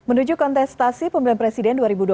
menuju kontestasi pembelian presiden dua ribu dua puluh empat